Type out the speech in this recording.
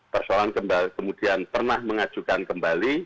persoalan kemudian pernah mengajukan kembali